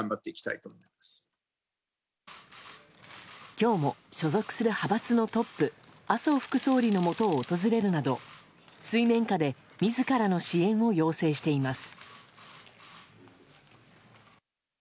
今日も所属する派閥のトップ麻生副総理のもとを訪れるなど水面下で自らの支援を要請しています。